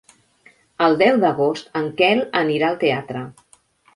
El deu d'agost en Quel anirà al teatre.